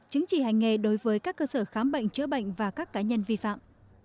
chứng chỉ hành nghề đối với các cơ sở khám bệnh chữa bệnh và các cá nhân vi phạm